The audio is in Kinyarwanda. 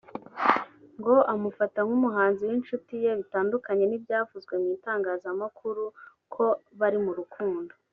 ngo amufata nk’umuhanzi w’inshuti ye bitandukanye n’ibyavuzwe mu itangazamakuru ko bari mu rukundo